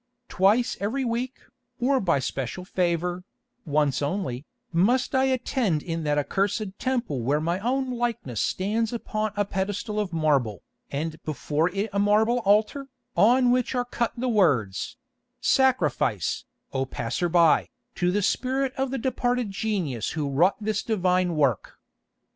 Twice every week, or by special favour, once only, must I attend in that accursed temple where my own likeness stands upon a pedestal of marble, and before it a marble altar, on which are cut the words: 'Sacrifice, O passer by, to the spirit of the departed genius who wrought this divine work.